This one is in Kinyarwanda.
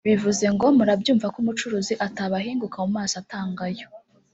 Bivuze ngo murabyumva ko umucuruzi atabahinguka mu maso atanga ayo